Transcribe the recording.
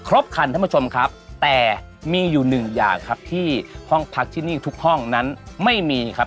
คันท่านผู้ชมครับแต่มีอยู่หนึ่งอย่างครับที่ห้องพักที่นี่ทุกห้องนั้นไม่มีครับ